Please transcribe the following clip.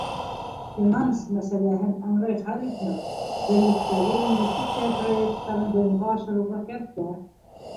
Финанс мәсьәләһен ыңғай хәл итмәү — берлектәге инвестиция проекттарын бойомға ашырыуға кәртә.